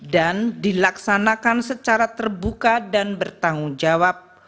dan dilaksanakan secara terbuka dan bertanggung jawab